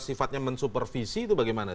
sifatnya mensupervisi itu bagaimana